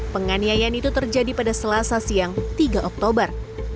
penganiayaan itu terjadi pada selasa siang tiga oktober